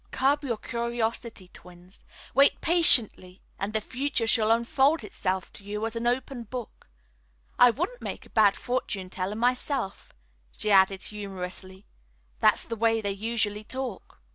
"Curb your curiosity, twins. Wait patiently and the future shall unfold itself to you as an open book. I wouldn't make a bad fortune teller myself," she added humorously. "That's the way they usually talk."